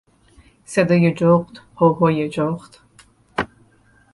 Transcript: صدای جغد، هوهوی جغد